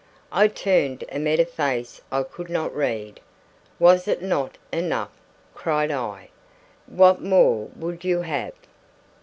I turned and met a face I could not read. "Was it not enough?" cried I. "What more would you have?"